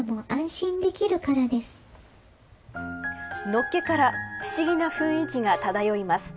のっけから不思議な雰囲気が漂います。